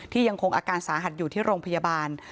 ยังคงอาการสาหัสอยู่ที่โรงพยาบาล